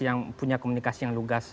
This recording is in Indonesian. yang punya komunikasi yang lugas